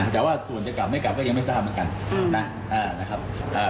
แต่ว่าส่วนจะกลับไม่กลับก็ยังไม่ทราบเหมือนกันนะครับ